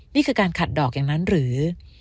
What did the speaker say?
นี่คือการขัดดอกอย่างนั้นหรือ